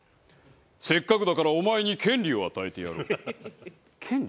せっかくだからお前に権利を与えてやろう。権利？